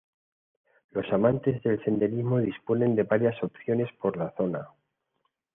Los amantes del senderismo disponen de varias opciones por la zona.